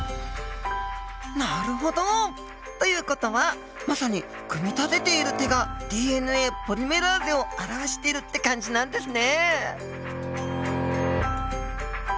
なるほど！という事はまさに組み立てている手がＤＮＡポリメラーゼを表してるって感じなんですね！